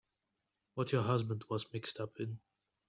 What your husband was mixed up in.